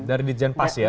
dari dirjen pas ya